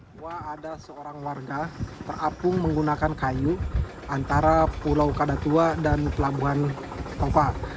korban yang ditemukan adalah pelabuhan topa yang menggunakan kayu antara pulau kadatua dan pelabuhan topa